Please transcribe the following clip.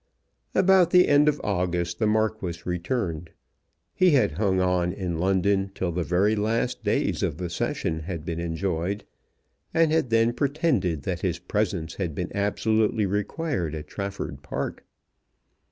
About the end of August the Marquis returned. He had hung on in London till the very last days of the Session had been enjoyed, and had then pretended that his presence had been absolutely required at Trafford Park.